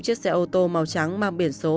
chiếc xe ô tô màu trắng mang biển số